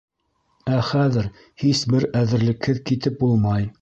Ә хәҙер һис бер әҙерлекһеҙ китеп булмай.